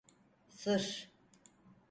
Sır…